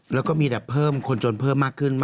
แล้วก็มีแต่เพิ่มคนจนเพิ่มมากขึ้น